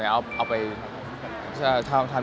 เอาไปทำริธศการครับ